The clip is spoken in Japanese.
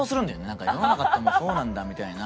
なんか世の中ってもうそうなんだみたいな。